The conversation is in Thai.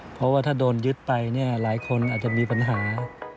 เพราะว่าถ้าโดนยึดไปเนี่ยหลายคนอาจจะมีปัญหา